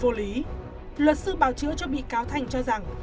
vô lý luật sư bảo chữa cho bị cáo thành cho rằng